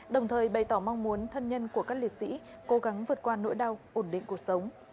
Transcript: đồng thời bày tỏ mong muốn thân nhân của các liệt sĩ cố gắng vượt qua nỗi đau ổn định cuộc sống